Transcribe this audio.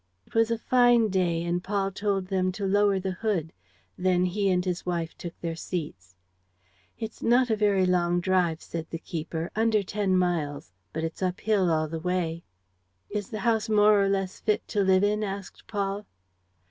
It was a fine day and Paul told them to lower the hood. Then he and his wife took their seats. "It's not a very long drive," said the keeper. "Under ten miles. But it's up hill all the way." "Is the house more or less fit to live in?" asked Paul.